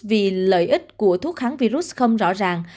vì lợi ích của thuốc kháng virus không rõ ràng